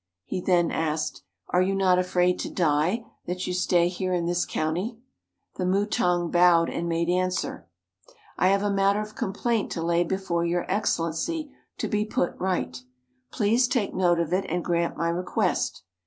He then asked, "Are you not afraid to die, that you stay here in this county?" The mutang bowed, and made answer, "I have a matter of complaint to lay before your Excellency to be put right; please take note of it and grant my request.